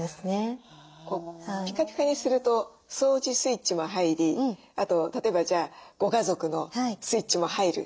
ピカピカにすると掃除スイッチも入りあと例えばご家族のスイッチも入る。